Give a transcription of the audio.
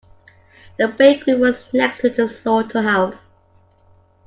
The bakery was next to the slaughterhouse.